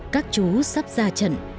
các chú sắp ra trận